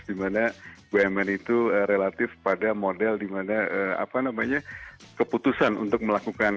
dimana bumn itu relatif pada model di mana keputusan untuk melakukan